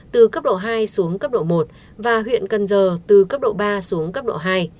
từ cấp độ hai xuống cấp độ một và huyện cần giờ từ cấp độ ba xuống cấp độ hai